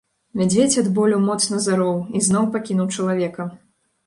Мядзведзь ад болю моцна зароў і зноў пакінуў чалавека.